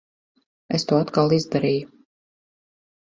Es to atkal izdarīju.